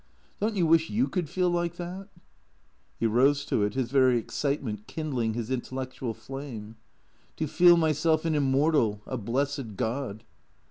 Don't you wish you could feel like that !" He rose to it, his very excitement kindling his intellectual flame. " To feel myself an immortal, a blessed god